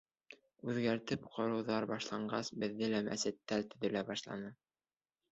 Үҙгәртеп ҡороуҙар башланғас, беҙҙә лә мәсеттәр төҙөлә башланы.